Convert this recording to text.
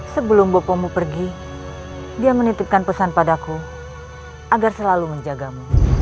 sebelum bopomu pergi dia menitipkan pesan padaku agar selalu menjagamu